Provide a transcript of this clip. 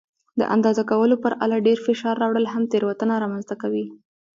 د اندازه کولو پر آله ډېر فشار راوړل هم تېروتنه رامنځته کوي.